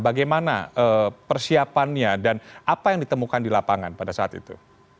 bagaimana persiapannya dan apa yang ditemukan di lapangan pada saat itu